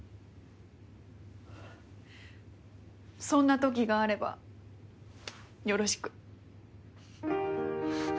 そんなときがあればよろしく。